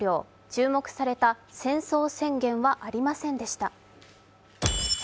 注目された戦争宣言はありませんでした。